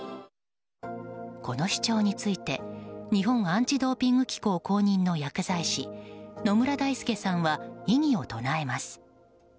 この主張について日本アンチ・ドーピング機構公認の薬剤師野村大祐さんは異議を唱えます。